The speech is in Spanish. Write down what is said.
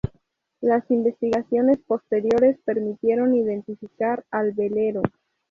Las investigaciones posteriores permitieron identificar al velero.